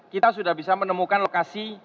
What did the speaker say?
kita sudah bisa menemukan lokasi